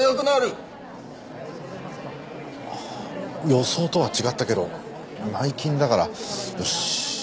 予想とは違ったけど内勤だからよし。